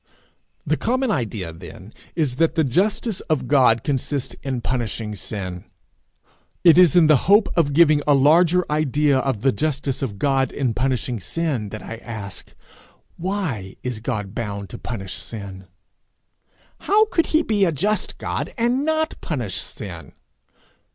The common idea, then, is, that the justice of God consists in punishing sin: it is in the hope of giving a larger idea of the justice of God in punishing sin that I ask, 'Why is God bound to punish sin?' 'How could he be a just God and not punish sin?'